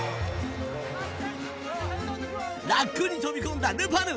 ラックに飛び込んだルパヌ。